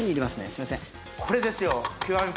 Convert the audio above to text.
これですよ極み